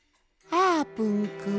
あーぷん。